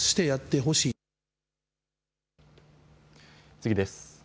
次です。